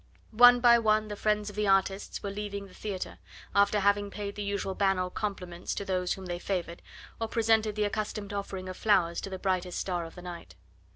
One by one the friends of the artists were leaving the theatre, after having paid the usual banal compliments to those whom they favoured, or presented the accustomed offering of flowers to the brightest star of the night.